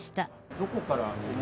どこから。